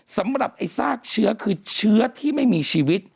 สำหรับไอ้ซากเชื้อคือเชื้อที่ไม่มีชีวิต